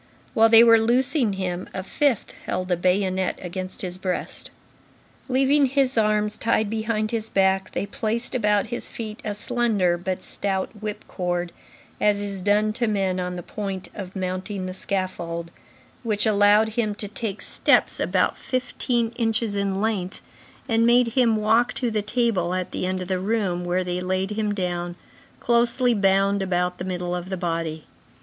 While they were loosing him, a fifth held a bayonet against his breast. Leaving his arms tied behind his back, they placed about his feet a slender but stout whip cord, as is done to men on the point of mounting the scaffold, which allowed him to take steps about fifteen inches in length, and made him walk to the table at the end of the room, where they laid him down, closely bound about the middle of the body.